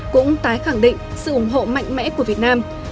cũng tái khẳng định sự ủng hộ mạnh mẽ của các nước